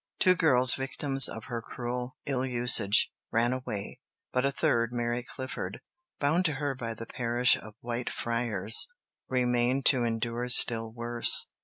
Two girls, victims of her cruel ill usage, ran away, but a third, Mary Clifford, bound to her by the parish of Whitefriars, remained to endure still worse.